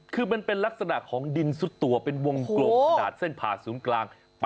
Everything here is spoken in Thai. คือมันเป็นลักษณะของดินซุดตัวเป็นวงกลมขนาดเส้นผ่าศูนย์กลาง